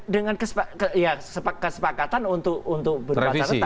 dengan kesepakatan untuk berbatas batas